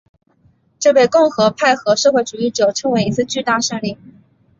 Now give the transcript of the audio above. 这被共和派和社会主义者称为一次巨大胜利。